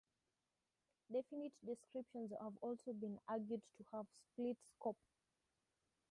Definite descriptions have also been argued to have split scope.